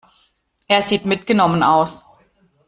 Er sieht mitgenommen aus.